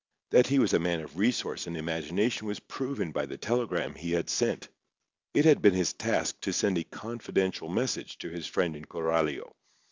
That he was a man of resource and imagination was proven by the telegram he had sent. It had been his task to send a confidential message to his friend in Coralio.